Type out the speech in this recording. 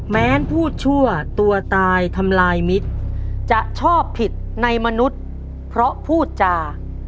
แม้พูดชั่วตัวตายทำลายมิตรจะชอบผิดในมนุษย์เพราะพูดจา